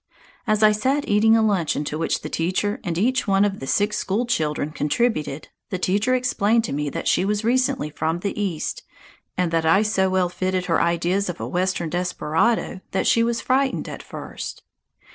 As I sat eating a luncheon to which the teacher and each one of the six school children contributed, the teacher explained to me that she was recently from the East, and that I so well fitted her ideas of a Western desperado that she was frightened at first.